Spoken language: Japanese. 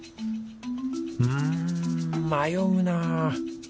うん迷うな。